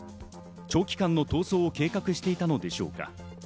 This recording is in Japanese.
長期間の逃亡を計画していたのでしょうか。